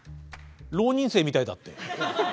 浪人生みたいだって。